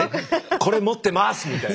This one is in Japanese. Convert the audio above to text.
これ持ってますみたいな。